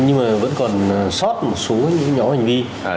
nhưng mà vẫn còn sót một số những nhóm hành vi